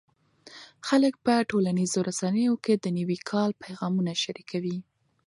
خلک په ټولنیزو رسنیو کې د نوي کال پیغامونه شریکوي.